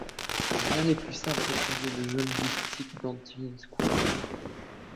Rien n’est plus simple, répondit le jeune loustic d’Antilian School.